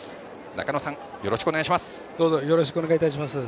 中野さん、よろしくお願いします。